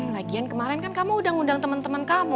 lagian kemarin kan kamu udah ngundang temen temen kamu